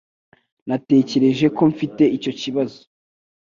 Natekereje ko mfite icyo kibazo